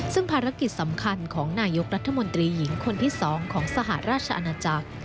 ซึ่งภารกิจสำคัญของนายกรัฐมนตรีหญิงคนที่๒ของสหราชอาณาจักร